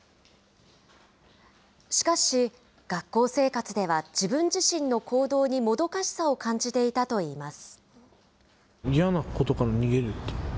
しかし、学校生活では、自分自身の行動にもどかしさを感じていたといいます。